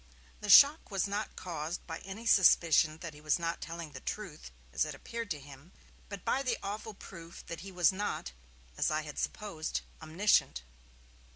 The shock was not caused by any suspicion that he was not telling the truth, as it appeared to him, but by the awful proof that he was not, as I had supposed, omniscient.